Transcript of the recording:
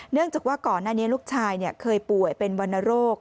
เนื่องจากว่าก่อนอันนี้ลูกชายเนี่ยเคยป่วยเป็นวรรณโรค